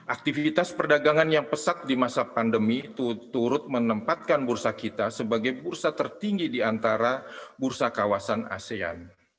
aktivitas perdagangan yang pesat di masa pandemi turut menempatkan bursa kita sebagai bursa tertinggi di antara bursa kawasan asean